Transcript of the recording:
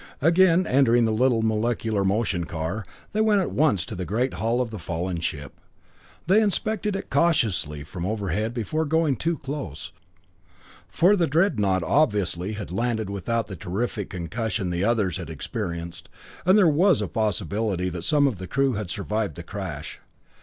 Again entering the little molecular motion car, they went at once to the great hull of the fallen ship. They inspected it cautiously from overhead before going too close, for the dreadnought, obviously, had landed without the terrific concussion that the others had experienced, and there was a possibility that some of the crew had survived the crash.